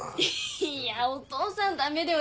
いやぁお父さんダメだよ。